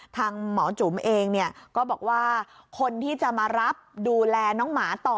ทางหมอจุ๋มเองเนี่ยก็บอกว่าคนที่จะมารับดูแลน้องหมาต่อ